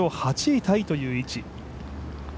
８位タイという位置。